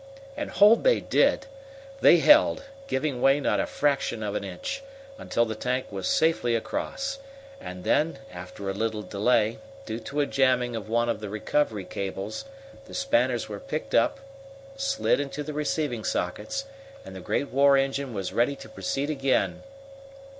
And hold they did! They held, giving way not a fraction of an inch, until the tank was safely across, and then, after a little delay, due to a jamming of one of the recovery cables, the spanners were picked up, slid into the receiving sockets, and the great war engine was ready to proceed again.